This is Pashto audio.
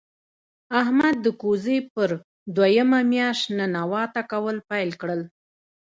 احمد د کوزې پر دویمه مياشت ننواته کول پیل کړل.